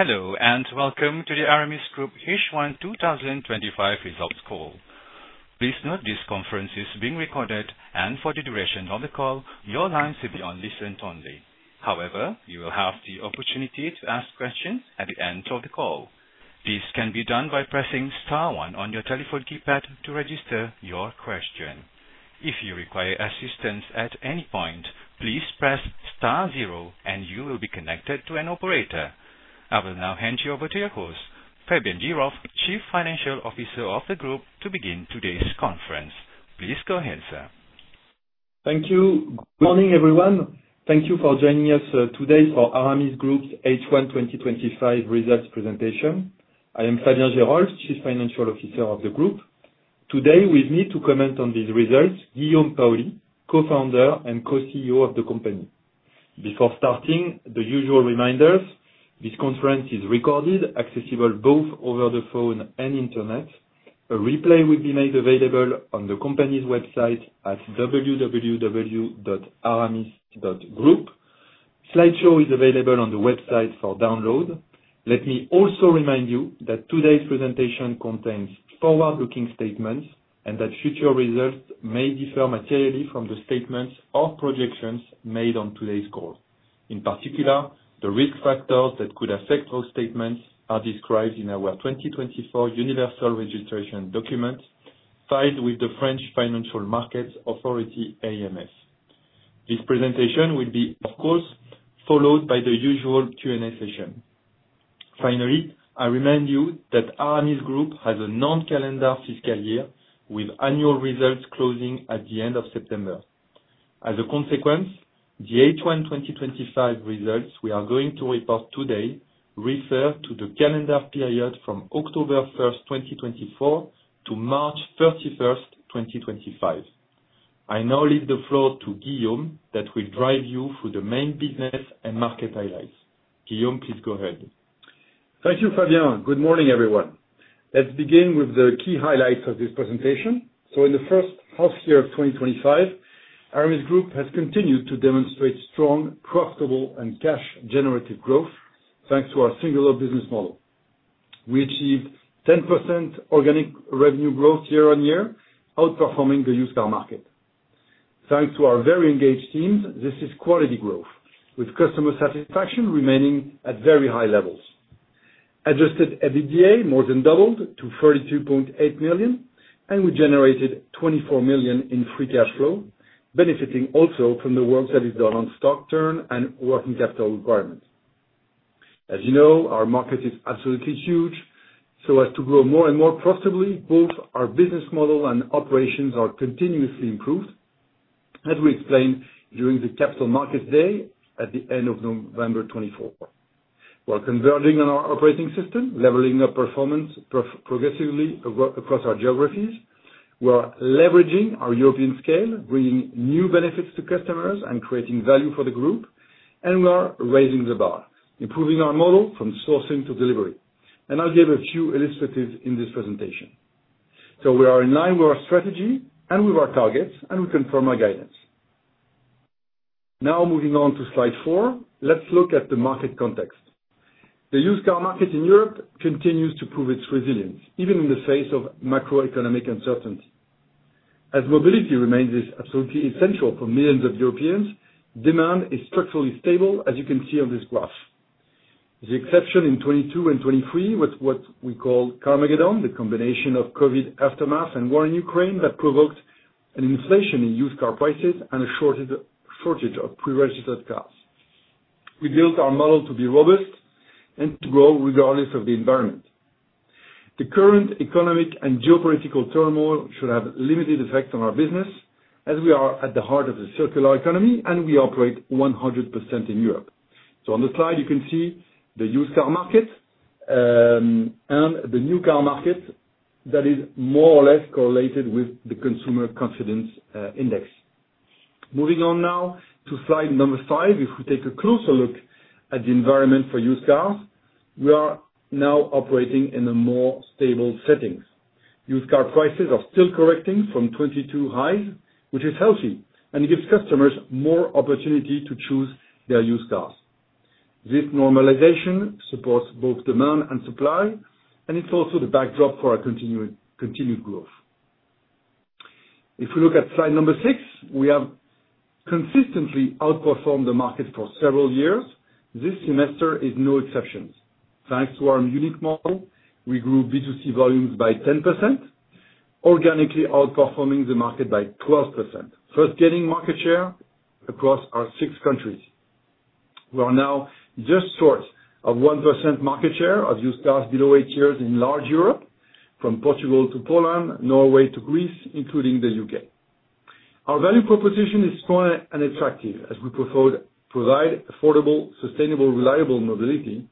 Hello and welcome to the Aramis Group H1 2025 results call. Please note this conference is being recorded, and for the duration of the call, your lines will be on listen only. However, you will have the opportunity to ask questions at the end of the call. This can be done by pressing star one on your telephone keypad to register your question. If you require assistance at any point, please press star zero, and you will be connected to an operator. I will now hand you over to your host, Fabien Geerolf, Chief Financial Officer of the Group, to begin today's conference. Please go ahead, sir. Thank you. Good morning, everyone. Thank you for joining us today for Aramis Group H1 2025 results presentation. I am Fabien Geerolf, Chief Financial Officer of the Group. Today, with me to comment on these results, Guillaume Paoli, Co-founder and Co-CEO of the company. Before starting, the usual reminders: this conference is recorded, accessible both over the phone and internet. A replay will be made available on the company's website at www.aramis.group. The slideshow is available on the website for download. Let me also remind you that today's presentation contains forward-looking statements and that future results may differ materially from the statements or projections made on today's call. In particular, the risk factors that could affect those statements are described in our 2024 Universal Registration Document filed with the French Financial Markets Authority, AMF. This presentation will be, of course, followed by the usual Q&A session. Finally, I remind you that Aramis Group has a non-calendar fiscal year with annual results closing at the end of September. As a consequence, the H1 2025 results we are going to report today refer to the calendar period from October 1st, 2024, to March 31st, 2025. I now leave the floor to Guillaume that will drive you through the main business and market highlights. Guillaume, please go ahead. Thank you, Fabien. Good morning, everyone. Let's begin with the key highlights of this presentation. In the first half year of 2025, Aramis Group has continued to demonstrate strong, profitable, and cash-generative growth thanks to our singular business model. We achieved 10% organic revenue growth year-on-year, outperforming the used car market. Thanks to our very engaged teams, this is quality growth, with customer satisfaction remaining at very high levels. Adjusted EBITDA more than doubled to 32.8 million, and we generated 24 million in free cash flow, benefiting also from the work that is done on stock turn and working capital requirements. As you know, our market is absolutely huge, so as to grow more and more profitably, both our business model and operations are continuously improved, as we explained during the Capital Markets Day at the end of November 2024. We're converging on our operating system, leveling up performance progressively across our geographies. We're leveraging our European scale, bringing new benefits to customers and creating value for the Group, and we are raising the bar, improving our model from sourcing to delivery. I'll give a few illustratives in this presentation. We are in line with our strategy and with our targets, and we confirm our guidance. Now, moving on to slide four, let's look at the market context. The used car market in Europe continues to prove its resilience, even in the face of macroeconomic uncertainty. As mobility remains absolutely essential for millions of Europeans, demand is structurally stable, as you can see on this graph. The exception in 2022 and 2023 was what we call Carmageddon, the combination of COVID aftermath and war in Ukraine that provoked an inflation in used car prices and a shortage of pre-registered cars. We built our model to be robust and to grow regardless of the environment. The current economic and geopolitical turmoil should have limited effect on our business, as we are at the heart of the circular economy and we operate 100% in Europe. On the slide, you can see the used car market and the new car market that is more or less correlated with the consumer confidence index. Moving on now to slide number five, if we take a closer look at the environment for used cars, we are now operating in a more stable setting. Used car prices are still correcting from 2022 highs, which is healthy and gives customers more opportunity to choose their used cars. This normalization supports both demand and supply, and it is also the backdrop for our continued growth. If we look at slide number six, we have consistently outperformed the market for several years. This semester is no exception. Thanks to our unique model, we grew B2C volumes by 10%, organically outperforming the market by 12%, first gaining market share across our six countries. We are now just short of 1% market share of used cars below eight years in large Europe, from Portugal to Poland, Norway to Greece, including the U.K. Our value proposition is strong and attractive as we provide affordable, sustainable, reliable mobility,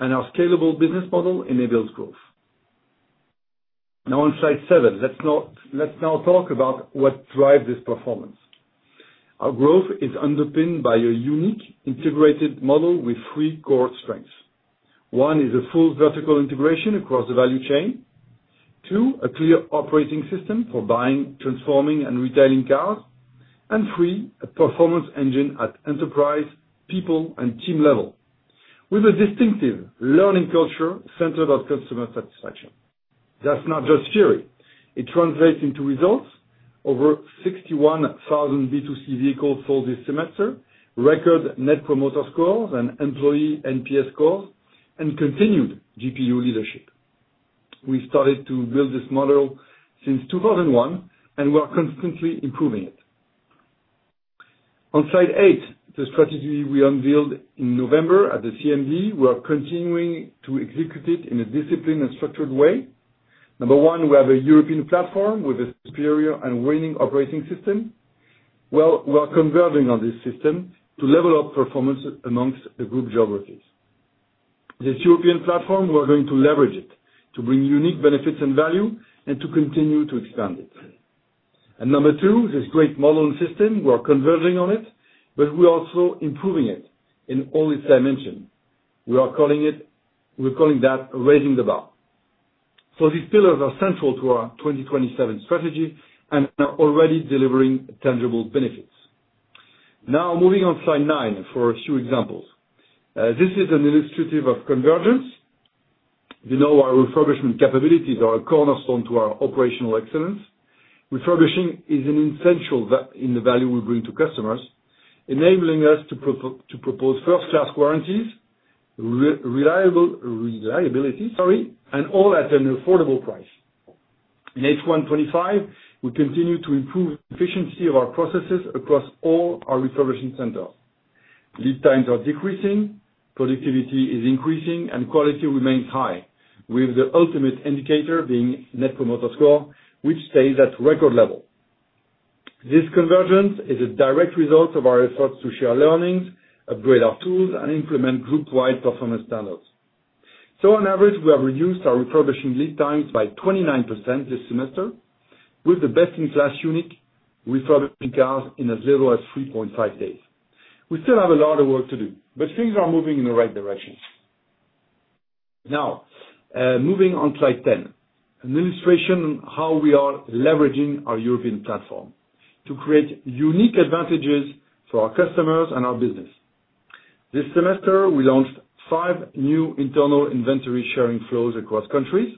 and our scalable business model enables growth. Now, on slide seven, let us now talk about what drives this performance. Our growth is underpinned by a unique integrated model with three core strengths. One is a full vertical integration across the value chain. Two, a clear operating system for buying, transforming, and retailing cars. Three, a performance engine at enterprise, people, and team level, with a distinctive learning culture centered on customer satisfaction. That is not just theory. It translates into results. Over 61,000 B2C vehicles sold this semester, record Net Promoter Scores and employee NPS scores, and continued GPU leadership. We started to build this model since 2001, and we are constantly improving it. On slide eight, the strategy we unveiled in November at the CMD, we are continuing to execute it in a disciplined and structured way. Number one, we have a European platform with a superior and winning operating system. We are converging on this system to level up performance amongst the group geographies. This European platform, we're going to leverage it to bring unique benefits and value and to continue to expand it. Number two, this great model and system, we are converging on it, but we are also improving it in all its dimensions. We are calling that raising the bar. These pillars are central to our 2027 strategy and are already delivering tangible benefits. Now, moving on slide nine for a few examples. This is illustrative of convergence. You know our refurbishment capabilities are a cornerstone to our operational excellence. Refurbishing is an essential in the value we bring to customers, enabling us to propose first-class warranties, reliability, and all at an affordable price. In H1 2025, we continue to improve efficiency of our processes across all our refurbishing centers. Lead times are decreasing, productivity is increasing, and quality remains high, with the ultimate indicator being Net Promoter Score, which stays at record level. This convergence is a direct result of our efforts to share learnings, upgrade our tools, and implement group-wide performance standards. On average, we have reduced our refurbishing lead times by 29% this semester, with the best-in-class unique refurbishing cars in as little as 3.5 days. We still have a lot of work to do, but things are moving in the right direction. Now, moving on slide 10, an illustration of how we are leveraging our European platform to create unique advantages for our customers and our business. This semester, we launched five new internal inventory sharing flows across countries,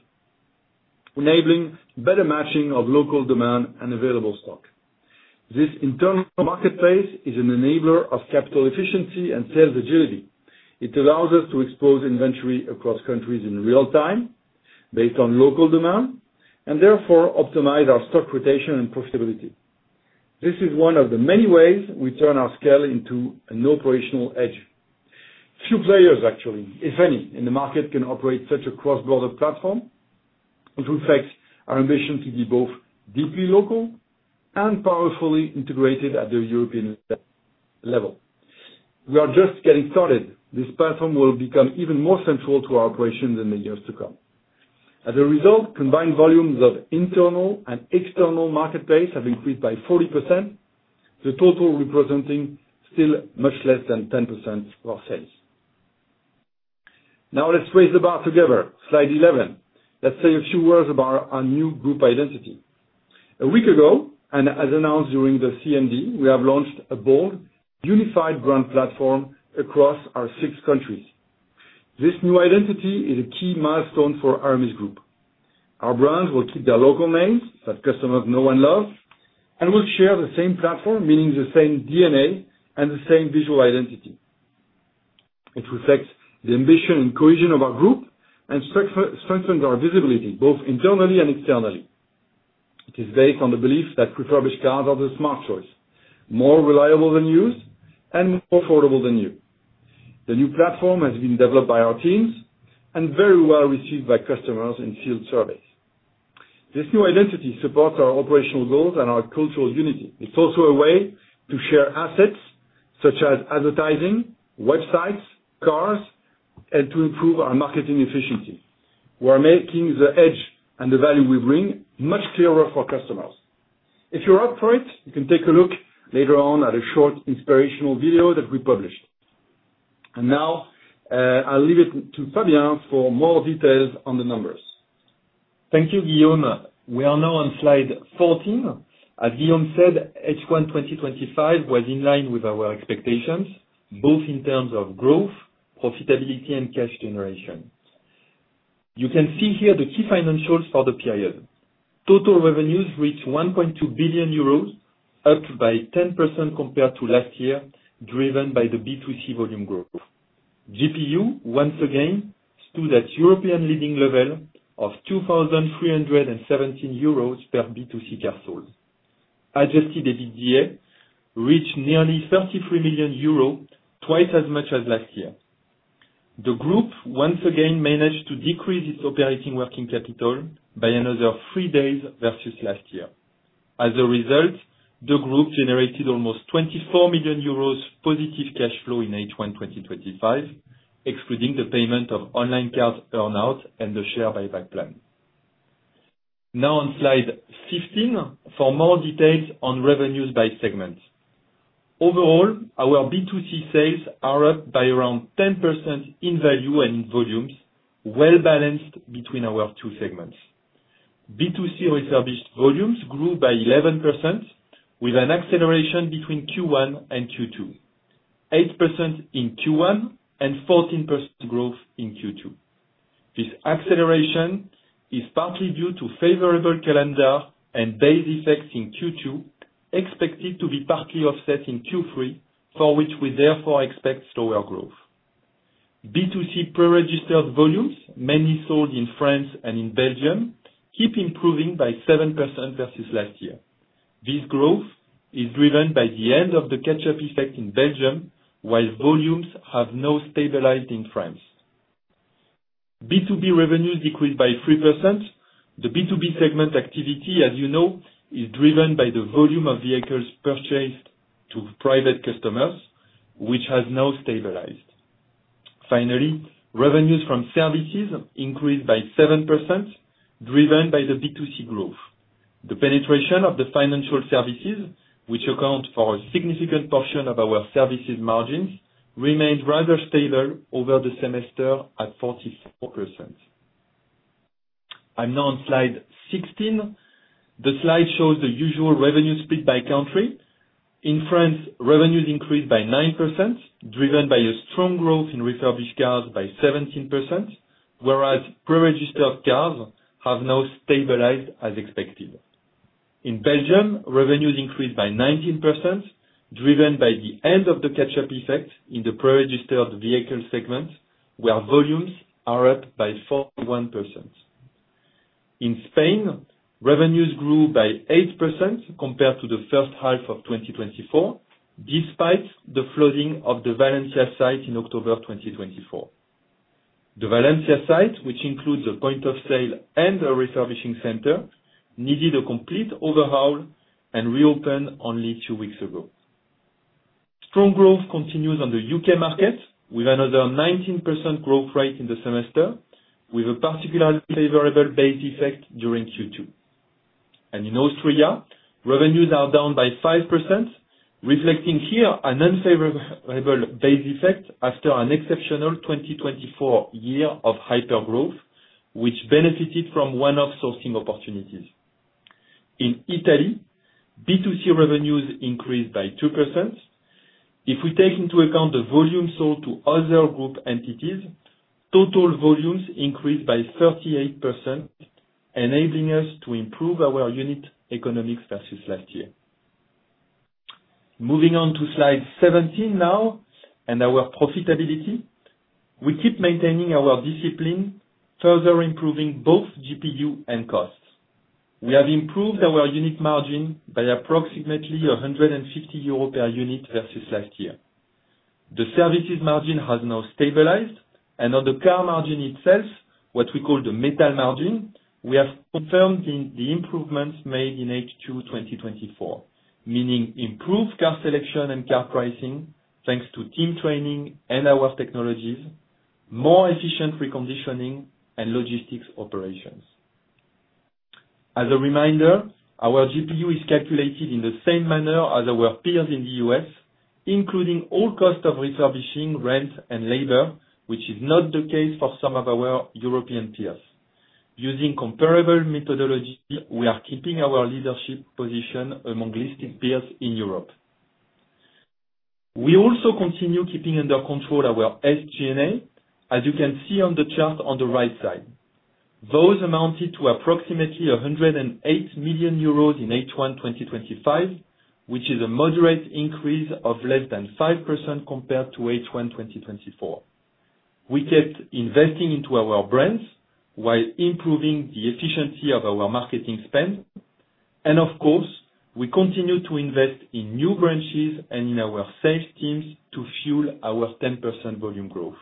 enabling better matching of local demand and available stock. This internal marketplace is an enabler of capital efficiency and sales agility. It allows us to expose inventory across countries in real time based on local demand and therefore optimize our stock rotation and profitability. This is one of the many ways we turn our scale into an operational edge. Few players, actually, if any, in the market can operate such a cross-border platform, which reflects our ambition to be both deeply local and powerfully integrated at the European level. We are just getting started. This platform will become even more central to our operation in the years to come. As a result, combined volumes of internal and external marketplace have increased by 40%, the total representing still much less than 10% of our sales. Now, let's raise the bar together. Slide 11. Let's say a few words about our new group identity. A week ago, and as announced during the CMD, we have launched a bold unified brand platform across our six countries. This new identity is a key milestone for Aramis Group. Our brands will keep their local names that customers know and love and will share the same platform, meaning the same DNA and the same visual identity. It reflects the ambition and cohesion of our Group and strengthens our visibility both internally and externally. It is based on the belief that refurbished cars are the smart choice, more reliable than used and more affordable than new. The new platform has been developed by our teams and very well received by customers in field surveys. This new identity supports our operational goals and our cultural unity. It's also a way to share assets such as advertising, websites, cars, and to improve our marketing efficiency. We are making the edge and the value we bring much clearer for customers. If you're up for it, you can take a look later on at a short inspirational video that we published. Now, I'll leave it to Fabien for more details on the numbers. Thank you, Guillaume. We are now on slide 14. As Guillaume said, H1 2025 was in line with our expectations, both in terms of growth, profitability, and cash generation. You can see here the key financials for the period. Total revenues reached 1.2 billion euros, up by 10% compared to last year, driven by the B2C volume growth. GPU, once again, stood at European leading level of 2,317 euros per B2C car sales. Adjusted EBITDA reached nearly 33 million euros, twice as much as last year. The group once again managed to decrease its operating working capital by another three days versus last year. As a result, the group generated almost 24 million euros positive cash flow in H1 2025, excluding the payment of online cars earn-out and the share buyback plan. Now, on slide 15, for more details on revenues by segments. Overall, our B2C sales are up by around 10% in value and in volumes, well balanced between our two segments. B2C refurbished volumes grew by 11% with an acceleration between Q1 and Q2, 8% in Q1 and 14% growth in Q2. This acceleration is partly due to favorable calendar and base effects in Q2, expected to be partly offset in Q3, for which we therefore expect slower growth. B2C pre-registered volumes, mainly sold in France and in Belgium, keep improving by 7% versus last year. This growth is driven by the end of the catch-up effect in Belgium, while volumes have now stabilized in France. B2B revenues decreased by 3%. The B2B segment activity, as you know, is driven by the volume of vehicles purchased to private customers, which has now stabilized. Finally, revenues from services increased by 7%, driven by the B2C growth. The penetration of the financial services, which account for a significant portion of our services margins, remained rather stable over the semester at 44%. I'm now on slide 16. The slide shows the usual revenue split by country. In France, revenues increased by 9%, driven by a strong growth in refurbished cars by 17%, whereas pre-registered cars have now stabilized as expected. In Belgium, revenues increased by 19%, driven by the end of the catch-up effect in the pre-registered vehicle segment, where volumes are up by 41%. In Spain, revenues grew by 8% compared to the first half of 2024, despite the flooding of the Valencia site in October 2024. The Valencia site, which includes a point of sale and a refurbishing center, needed a complete overhaul and reopened only two weeks ago. Strong growth continues on the U.K. market, with another 19% growth rate in the semester, with a particularly favorable base effect during Q2. In Austria, revenues are down by 5%, reflecting here an unfavorable base effect after an exceptional 2024 year of hypergrowth, which benefited from one-off sourcing opportunities. In Italy, B2C revenues increased by 2%. If we take into account the volume sold to other group entities, total volumes increased by 38%, enabling us to improve our unit economics versus last year. Moving on to slide 17 now and our profitability. We keep maintaining our discipline, further improving both GPU and costs. We have improved our unit margin by approximately 150 euros per unit versus last year. The services margin has now stabilized. On the car margin itself, what we call the metal margin, we have confirmed the improvements made in H2 2024, meaning improved car selection and car pricing thanks to team training and our technologies, more efficient reconditioning, and logistics operations. As a reminder, our GPU is calculated in the same manner as our peers in the U.S., including all costs of refurbishing, rent, and labor, which is not the case for some of our European peers. Using comparable methodology, we are keeping our leadership position among listed peers in Europe. We also continue keeping under control our SG&A, as you can see on the chart on the right side. Those amounted to approximately 108 million euros in H1 2025, which is a moderate increase of less than 5% compared to H1 2024. We kept investing into our brands while improving the efficiency of our marketing spend. Of course, we continue to invest in new branches and in our sales teams to fuel our 10% volume growth.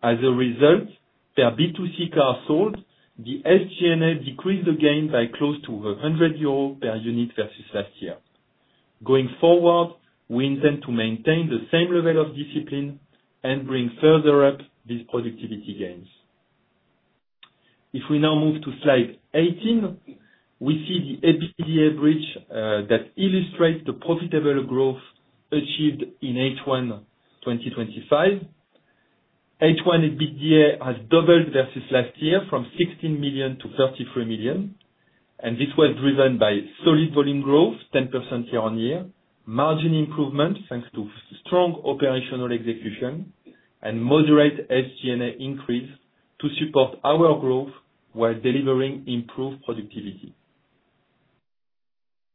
As a result, per B2C car sold, the SG&A decreased again by close to 100 euros per unit versus last year. Going forward, we intend to maintain the same level of discipline and bring further up these productivity gains. If we now move to slide 18, we see the EBITDA bridge that illustrates the profitable growth achieved in H1 2025. H1 EBITDA has doubled versus last year from 16 million-33 million. This was driven by solid volume growth, 10% year-on-year, margin improvement thanks to strong operational execution, and moderate SG&A increase to support our growth while delivering improved productivity.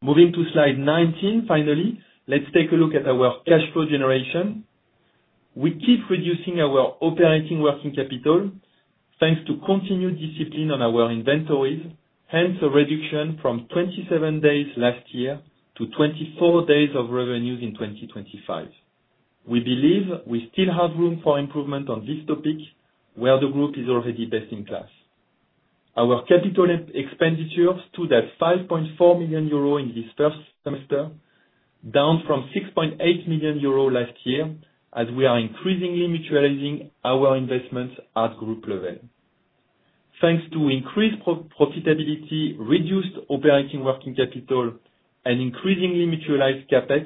Moving to slide 19, finally, let's take a look at our cash flow generation. We keep reducing our operating working capital thanks to continued discipline on our inventories, hence a reduction from 27 days last year to 24 days of revenues in 2025. We believe we still have room for improvement on this topic, where the group is already best in class. Our capital expenditures stood at 5.4 million euro in this first semester, down from 6.8 million euro last year as we are increasingly mutualizing our investments at group level. Thanks to increased profitability, reduced operating working capital, and increasingly mutualized CapEx,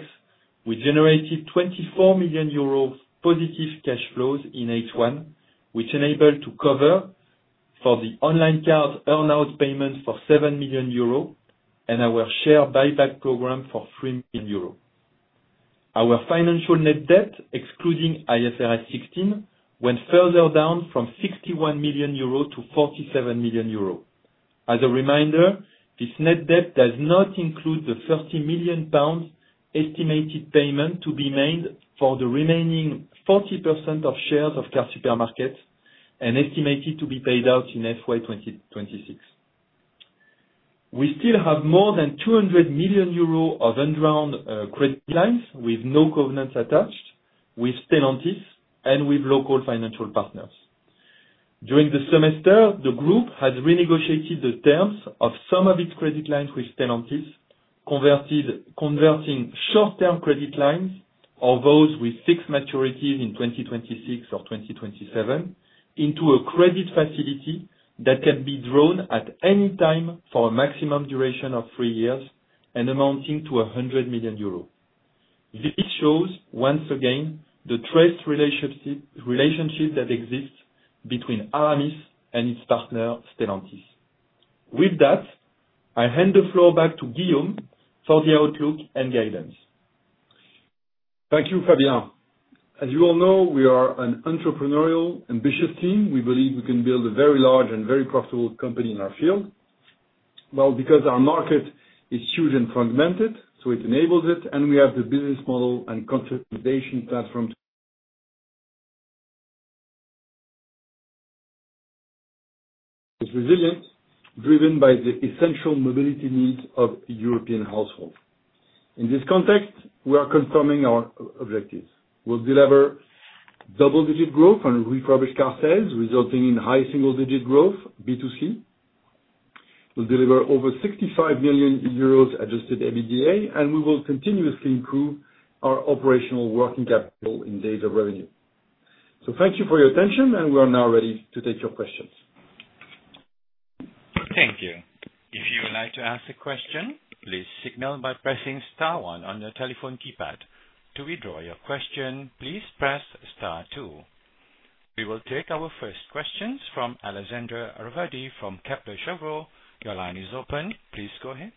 we generated 24 million euros positive cash flows in H1, which enabled us to cover for the Online Cars earn-out payment for 7 million euro and our share buyback program for 3 million euro. Our financial net debt, excluding IFRS 16, went further down from 61 million-47 million euro. As a reminder, this net debt does not include the 30 million pounds estimated payment to be made for the remaining 40% of shares of card supermarkets and estimated to be paid out in FY 2026. We still have more than 200 million euros of undrawn credit lines with no covenants attached, with tenancies, and with local financial partners. During the semester, the Group has renegotiated the terms of some of its credit lines with Stellantis, converting short-term credit lines or those with fixed maturities in 2026 or 2027 into a credit facility that can be drawn at any time for a maximum duration of three years and amounting to 100 million euros. This shows, once again, the trust relationship that exists between Aramis and its partner, Stellantis. With that, I hand the floor back to Guillaume for the outlook and guidance. Thank you, Fabien. As you all know, we are an entrepreneurial, ambitious team. We believe we can build a very large and very profitable company in our field. Our market is huge and fragmented, so it enables it. We have the business model and consolidation platform. It is resilient, driven by the essential mobility needs of European households. In this context, we are confirming our objectives. We will deliver double-digit growth on refurbished car sales, resulting in high single-digit growth, B2C. We will deliver over 65 million euros adjusted EBITDA, and we will continuously improve our operational working capital in days of revenue. Thank you for your attention, and we are now ready to take your questions. Thank you. If you would like to ask a question, please signal by pressing star one on your telephone keypad. To withdraw your question, please press star two. We will take our first questions from Alexandre Raverdy from Kepler Cheuvreux. Your line is open. Please go ahead.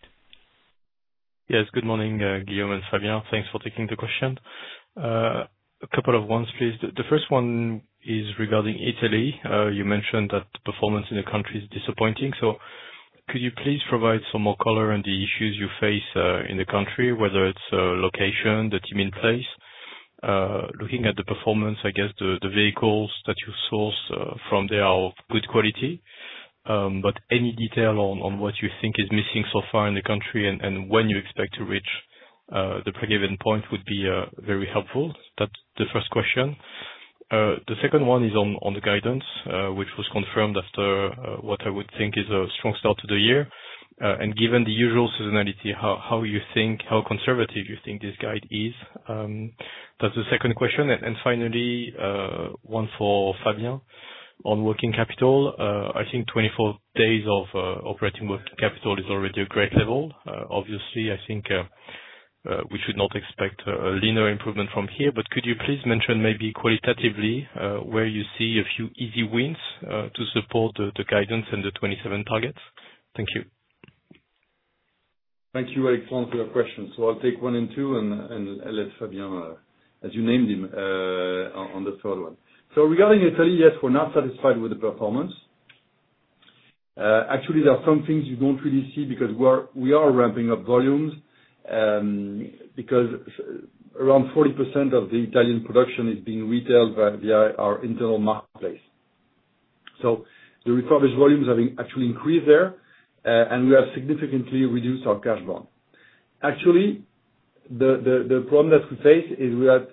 Yes, good morning, Guillaume and Fabien. Thanks for taking the question. A couple of ones, please. The first one is regarding Italy. You mentioned that the performance in the country is disappointing. Could you please provide some more color on the issues you face in the country, whether it is location, the team in place? Looking at the performance, I guess the vehicles that you source from there are of good quality. Any detail on what you think is missing so far in the country and when you expect to reach the pregiven point would be very helpful. That is the first question. The second one is on the guidance, which was confirmed after what I would think is a strong start to the year. Given the usual seasonality, how do you think, how conservative do you think this guide is? That is the second question. Finally, one for Fabien on working capital. I think 24 days of operating working capital is already a great level. Obviously, I think we should not expect a linear improvement from here. Could you please mention maybe qualitatively where you see a few easy wins to support the guidance and the 2027 targets? Thank you. Thank you, Alexandre, for your questions. I will take one and two and let Fabien, as you named him, on the third one. Regarding Italy, yes, we are not satisfied with the performance. Actually, there are some things you do not really see because we are ramping up volumes because around 40% of the Italian production is being retailed via our internal marketplace. The refurbished volumes have actually increased there, and we have significantly reduced our cash bond. Actually, the problem that we face is that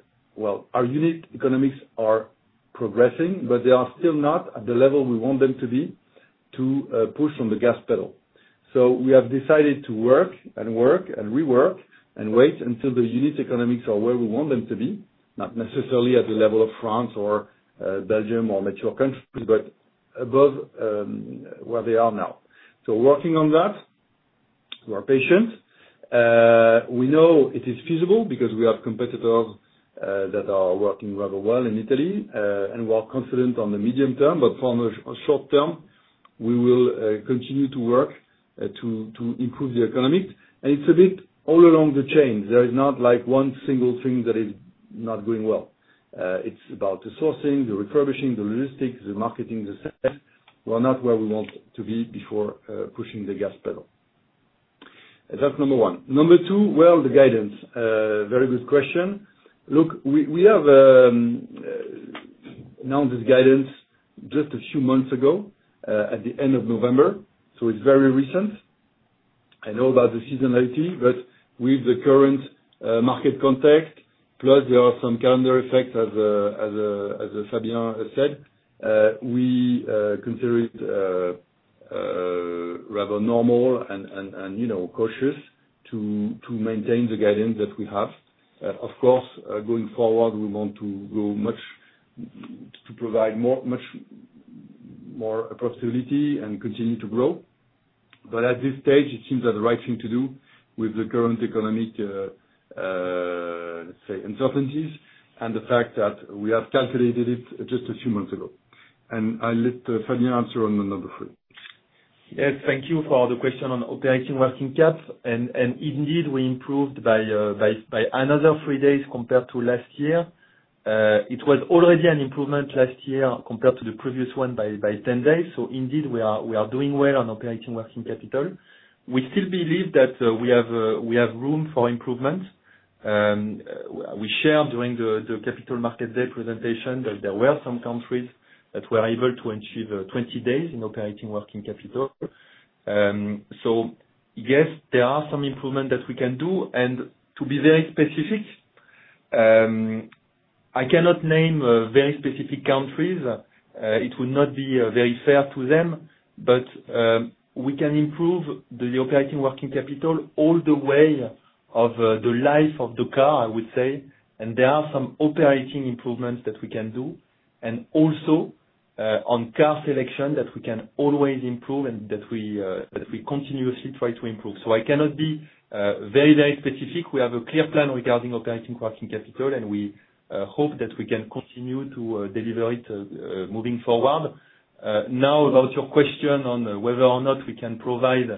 our unit economics are progressing, but they are still not at the level we want them to be to push on the gas pedal. We have decided to work and work and rework and wait until the unit economics are where we want them to be, not necessarily at the level of France or Belgium or mature countries, but above where they are now. Working on that, we're patient. We know it is feasible because we have competitors that are working rather well in Italy, and we are confident on the medium term. For the short term, we will continue to work to improve the economy. It's a bit all along the chain. There is not one single thing that is not going well. It's about the sourcing, the refurbishing, the logistics, the marketing, the sales. We're not where we want to be before pushing the gas pedal. That's number one. Number two, the guidance. Very good question. Look, we have announced this guidance just a few months ago at the end of November, so it's very recent. I know about the seasonality, but with the current market context, plus there are some calendar effects, as Fabien said, we consider it rather normal and cautious to maintain the guidance that we have. Of course, going forward, we want to provide much more profitability and continue to grow. At this stage, it seems that the right thing to do with the current economic, let's say, uncertainties and the fact that we have calculated it just a few months ago. I'll let Fabien answer on number three. Yes, thank you for the question on operating working cap. Indeed, we improved by another three days compared to last year. It was already an improvement last year compared to the previous one by 10 days. We are doing well on operating working capital. We still believe that we have room for improvement. We shared during the Capital Markets Day presentation that there were some countries that were able to achieve 20 days in operating working capital. There are some improvements that we can do. To be very specific, I cannot name very specific countries. It would not be very fair to them. We can improve the operating working capital all the way of the life of the car, I would say. There are some operating improvements that we can do. Also on car selection that we can always improve and that we continuously try to improve. I cannot be very, very specific. We have a clear plan regarding operating working capital, and we hope that we can continue to deliver it moving forward. About your question on whether or not we can provide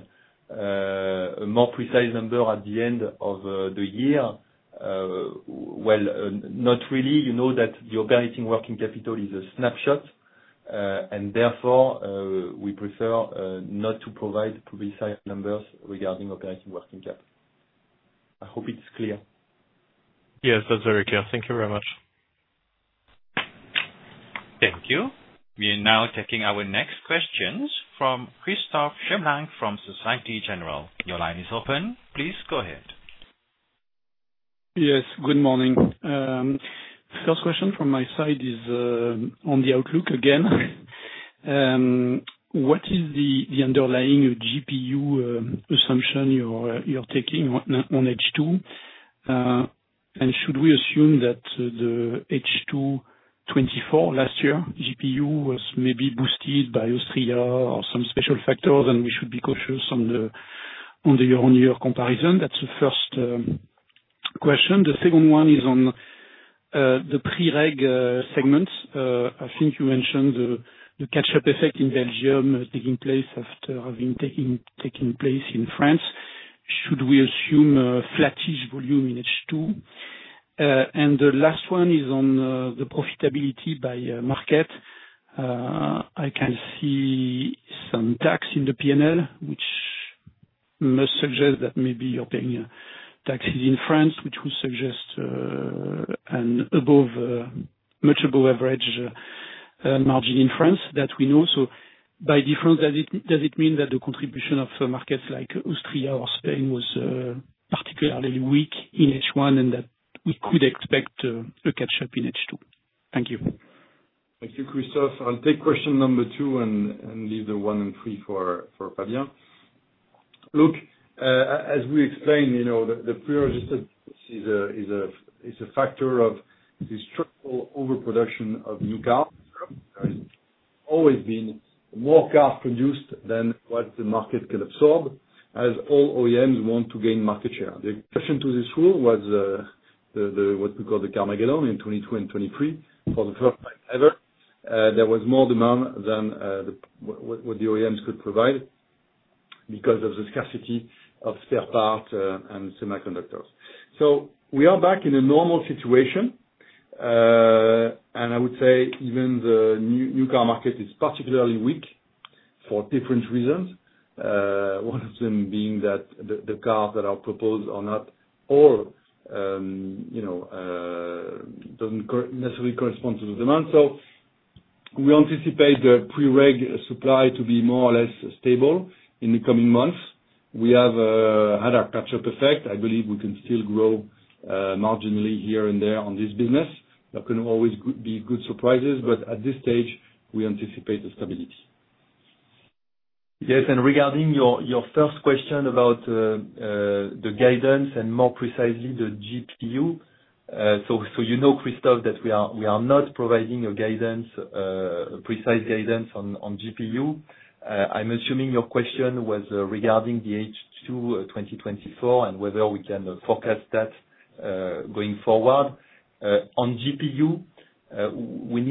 a more precise number at the end of the year, not really. You know that the operating working capital is a snapshot, and therefore, we prefer not to provide precise numbers regarding operating working cap. I hope it's clear. Yes, that's very clear. Thank you very much. Thank you. We are now taking our next questions from Christophe Germain from Société Générale. Your line is open. Please go ahead. Yes, good morning. First question from my side is on the outlook again. What is the underlying GPU assumption you're taking on H2? Should we assume that the H2 2024 last year GPU was maybe boosted by Austria or some special factors, and we should be cautious on the year-on-year comparison? That is the first question. The second one is on the pre-reg segments. I think you mentioned the catch-up effect in Belgium taking place after having taken place in France. Should we assume flat-ish volume in H2? The last one is on the profitability by market. I can see some tax in the P&L, which must suggest that maybe you are paying taxes in France, which would suggest a much above-average margin in France that we know. By difference, does it mean that the contribution of markets like Austria or Spain was particularly weak in H1 and that we could expect a catch-up in H2? Thank you. Thank you, Christophe. I'll take question number two and leave one and three for Fabien. Look, as we explained, the pre-registered is a factor of the structural overproduction of new cars. There has always been more cars produced than what the market can absorb, as all OEMs want to gain market share. The exception to this rule was what we call the Carmageddon in 2022 and 2023. For the first time ever, there was more demand than what the OEMs could provide because of the scarcity of spare parts and semiconductors. We are back in a normal situation. I would say even the new car market is particularly weak for different reasons, one of them being that the cars that are proposed are not all necessarily correspond to the demand. We anticipate the pre-reg supply to be more or less stable in the coming months. We have had our catch-up effect. I believe we can still grow marginally here and there on this business. There can always be good surprises. At this stage, we anticipate the stability. Yes. Regarding your first question about the guidance and more precisely the GPU, you know, Christophe, that we are not providing a precise guidance on GPU. I'm assuming your question was regarding the H2 2024 and whether we can forecast that going forward. On GPU, we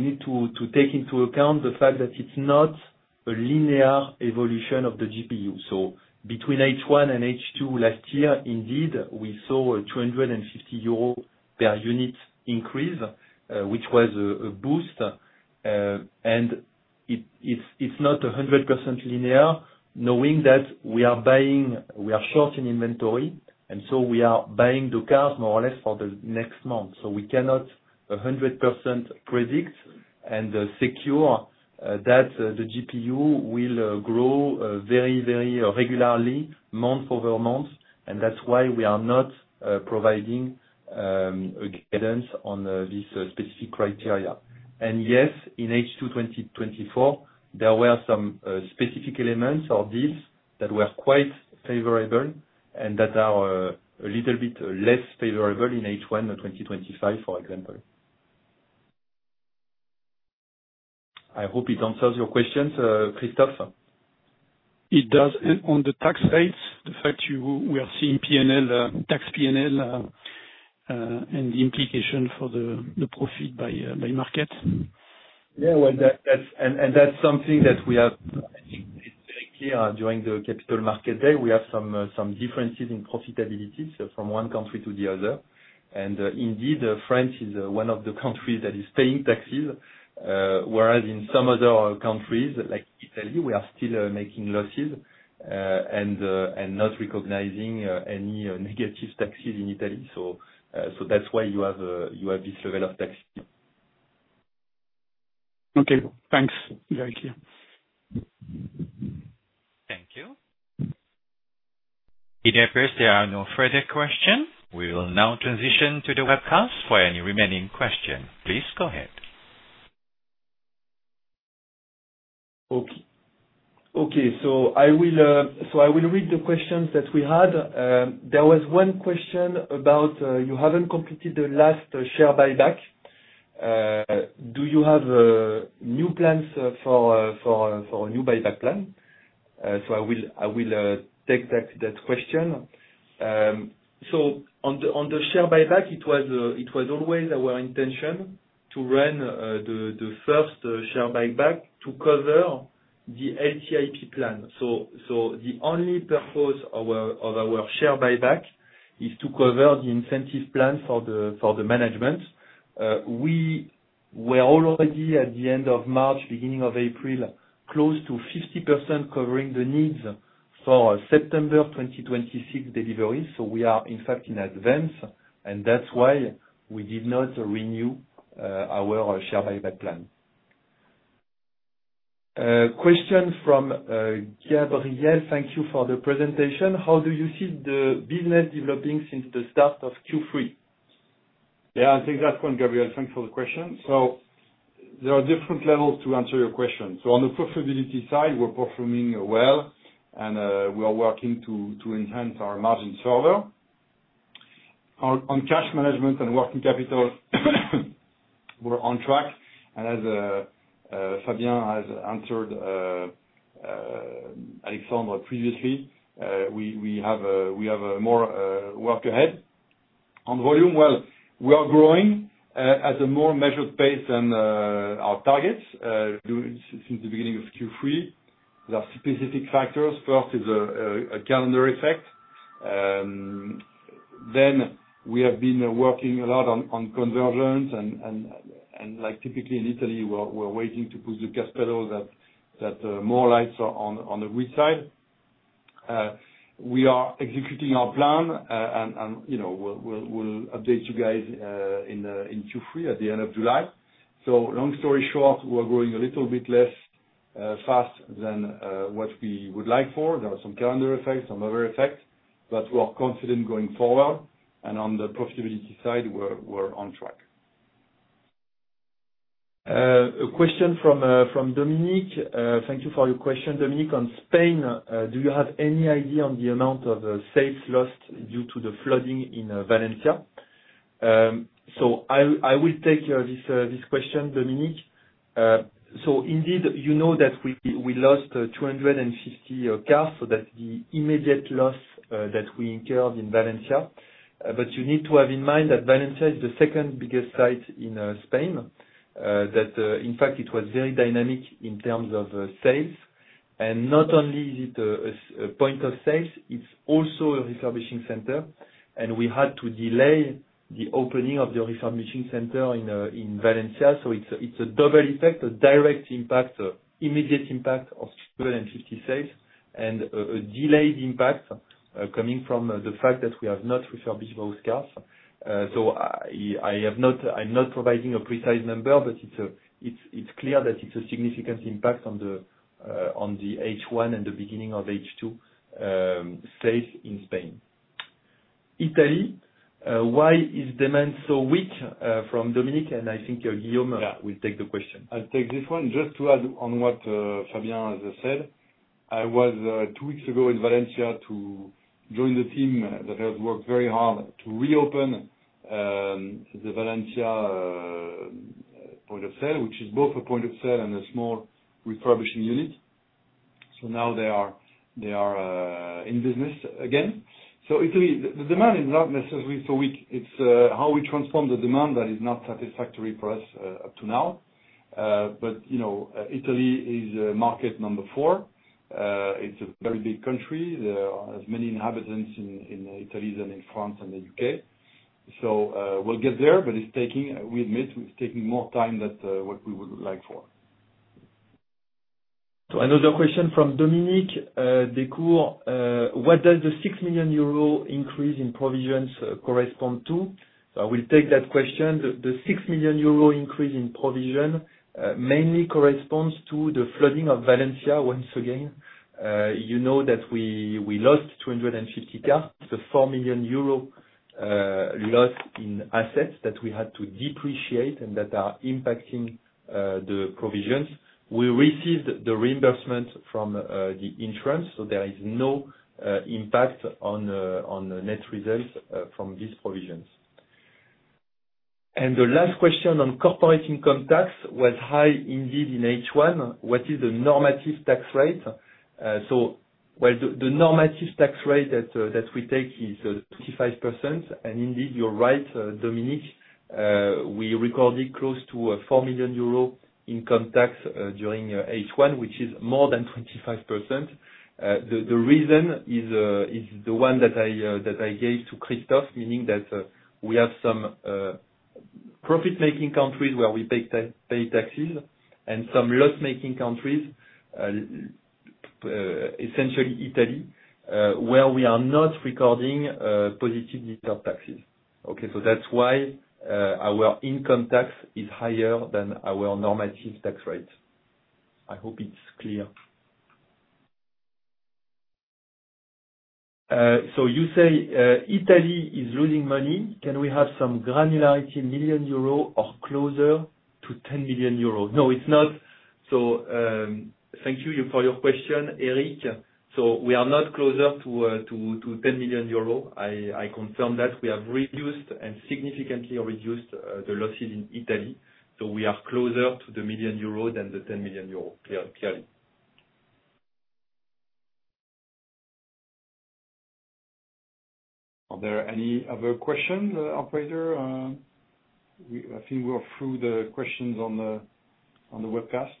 need to take into account the fact that it's not a linear evolution of the GPU. Between H1 and H2 last year, indeed, we saw a 250 euro per unit increase, which was a boost. It's not 100% linear, knowing that we are short in inventory, and we are buying the cars more or less for the next month. We cannot 100% predict and secure that the GPU will grow very, very regularly, month-over-month. That is why we are not providing a guidance on these specific criteria. Yes, in H2 2024, there were some specific elements or deals that were quite favorable and that are a little bit less favorable in H1 2025, for example. I hope it answers your questions, Christophe. It does. On the tax rates, the fact we are seeing tax P&L and the implication for the profit by market. Yeah, that is something that we have been very clear during the Capital Markets Day. We have some differences in profitability from one country to the other. Indeed, France is one of the countries that is paying taxes, whereas in some other countries, like Italy, we are still making losses and not recognizing any negative taxes in Italy. That is why you have this level of taxes. Okay. Thanks. Very clear. Thank you. It appears there are no further questions. We will now transition to the webcast for any remaining questions. Please go ahead. Okay. I will read the questions that we had. There was one question about you have not completed the last share buyback. Do you have new plans for a new buyback plan? I will take that question. On the share buyback, it was always our intention to run the first share buyback to cover the LTIP plan. The only purpose of our share buyback is to cover the incentive plan for the management. We were already at the end of March, beginning of April, close to 50% covering the needs for September 2026 deliveries. We are, in fact, in advance, and that's why we did not renew our share buyback plan. Question from Gabriel. Thank you for the presentation. How do you see the business developing since the start of Q3? I think that's one, Gabriel. Thanks for the question. There are different levels to answer your question. On the profitability side, we're performing well, and we are working to enhance our margin further. On cash management and working capital, we're on track. As Fabien has answered Alexandre previously, we have more work ahead. On volume, we are growing at a more measured pace than our targets since the beginning of Q3. There are specific factors. First is a calendar effect. We have been working a lot on convergence. Typically in Italy, we're waiting to push the gas pedal that more lights are on the good side. We are executing our plan, and we'll update you guys in Q3 at the end of July. Long story short, we're growing a little bit less fast than what we would like for. There are some calendar effects, some other effects, but we're confident going forward. On the profitability side, we're on track. A question from Dominique. Thank you for your question, Dominique. On Spain, do you have any idea on the amount of sales lost due to the flooding in Valencia? I will take this question, Dominique. Indeed, you know that we lost 250 cars. That's the immediate loss that we incurred in Valencia. You need to have in mind that Valencia is the second biggest site in Spain, that in fact, it was very dynamic in terms of sales. Not only is it a point of sales, it is also a refurbishing center. We had to delay the opening of the refurbishing center in Valencia. It is a double effect, a direct impact, immediate impact of 250 sales, and a delayed impact coming from the fact that we have not refurbished those cars. I am not providing a precise number, but it is clear that it is a significant impact on the H1 and the beginning of H2 sales in Spain. Italy, why is demand so weak? From Dominique, and I think Guillaume will take the question. I will take this one. Just to add on what Fabien has said, I was two weeks ago in Valencia to join the team that has worked very hard to reopen the Valencia point of sale, which is both a point of sale and a small refurbishing unit. Now they are in business again. Italy, the demand is not necessarily so weak. It is how we transform the demand that is not satisfactory for us up to now. Italy is market number four. It is a very big country. There are as many inhabitants in Italy as in France and the U.K. We will get there, but we admit we are taking more time than what we would like for. Another question from Dominique [Decourt] What does the 6 million euro increase in provisions correspond to? I will take that question. The 6 million euro increase in provision mainly corresponds to the flooding of Valencia once again. You know that we lost 250 cars. It is a 4 million euro loss in assets that we had to depreciate and that are impacting the provisions. We received the reimbursement from the insurance. There is no impact on net results from these provisions. The last question on corporate income tax was high indeed in H1. What is the normative tax rate? The normative tax rate that we take is 25%. Indeed, you are right, Dominique. We recorded close to 4 million euro income tax during H1, which is more than 25%. The reason is the one that I gave to Christophe, meaning that we have some profit-making countries where we pay taxes and some loss-making countries, essentially Italy, where we are not recording positive detailed taxes. Okay. That is why our income tax is higher than our normative tax rate. I hope it is clear. You say Italy is losing money. Can we have some granularity, 1 million euro, or closer to 10 million euro? No, it is not. Thank you for your question, Eric. We are not closer to 10 million euro. I confirm that we have significantly reduced the losses in Italy. We are closer to the 1 million euro than the 10 million euro, clearly. Are there any other questions, operator? I think we are through the questions on the webcast.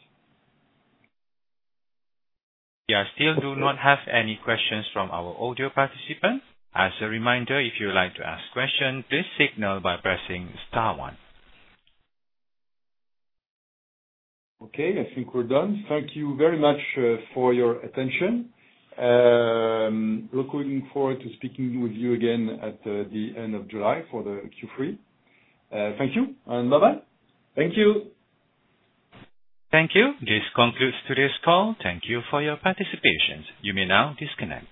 We still do not have any questions from our audio participants. As a reminder, if you would like to ask a question, please signal by pressing star one. Okay. I think we are done. Thank you very much for your attention. Looking forward to speaking with you again at the end of July for the Q3. Thank you and bye-bye. Thank you. Thank you. This concludes today's call. Thank you for your participation. You may now disconnect.